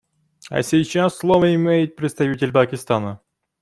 А сейчас слово имеет представитель Пакистана.